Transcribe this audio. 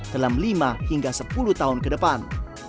dalam lima hingga sepuluh tahun ke depan